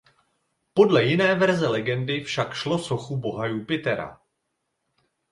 Podle jiné verze legendy však šlo sochu boha Jupitera.